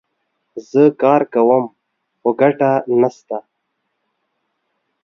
زه کار کوم ، خو ګټه نه سته